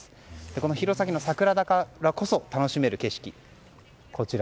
この弘前の桜だからこそ楽しめる景色。